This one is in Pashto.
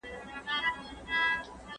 که څوک تل بهرنی خوراک کوي.